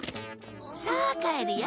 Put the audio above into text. さあ帰るよ